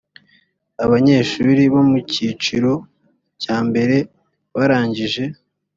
abanyeshuri bo mu cyiciro cya mbere barangije